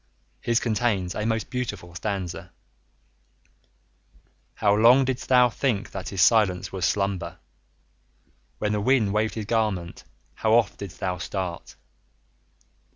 His contains a most beautiful stanza: "How long did'st thou think that his silence was slumber! When the wind waved his garment how oft did'st thou start!"